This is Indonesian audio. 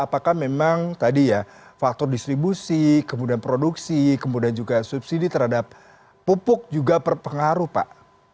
apakah memang tadi ya faktor distribusi kemudian produksi kemudian juga subsidi terhadap pupuk juga berpengaruh pak